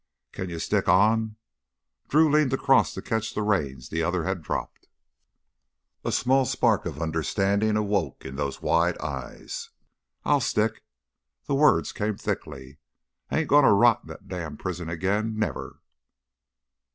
"Can you stick on?" Drew leaned across to catch the reins the other had dropped. A small spark of understanding awoke in those wide eyes. "I'll stick," the words came thickly. "I ain't gonna rot in that damned prison again never!"